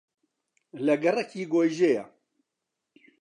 لە گەڕەکی گۆیژەیە